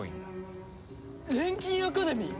錬金アカデミー！？